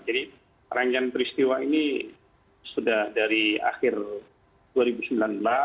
jadi rangkaian peristiwa ini sudah dari akhir dua ribu sembilan belas hingga